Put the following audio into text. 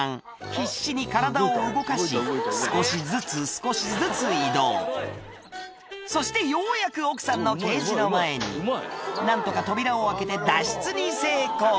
必死に体を動かし少しずつ少しずつ移動そしてようやく奥さんのケージの前に何とか扉を開けて脱出に成功